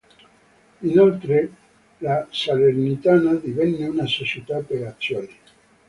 Inoltre la Salernitana divenne una società per azioni.